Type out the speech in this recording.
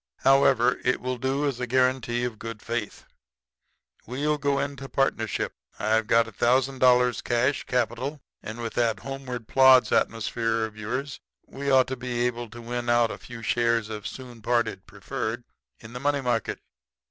However, it will do as a guarantee of good faith. We'll go into partnership. I've got a thousand dollars cash capital; and with that homeward plods atmosphere of yours we ought to be able to win out a few shares of Soon Parted, preferred, in the money market.'